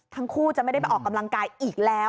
ทั้งคู่จะไม่ได้ไปออกกำลังกายอีกแล้ว